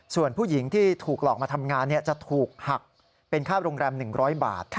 ส่วนผู้หญิงที่ถูกหลอกมาทำงานจะถูกหักเป็นค่าโรงแรม๑๐๐บาท